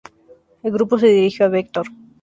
El grupo se dirigió a Vector.